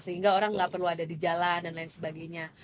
sehingga orang nggak perlu ada gejala dan lain sebagainya